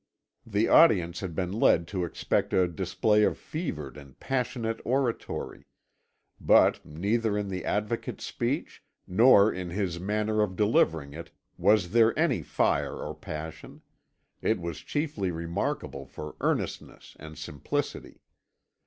The audience had been led to expect a display of fevered and passionate oratory; but neither in the Advocate's speech nor in his manner of delivering it was there any fire or passion; it was chiefly remarkable for earnestness and simplicity.